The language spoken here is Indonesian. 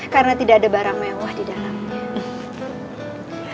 karena tidak ada barang mewah didalamnya